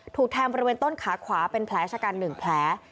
ถูกแทงบริเวณต้นขาขวาเป็นแผลชะกัน๑แผล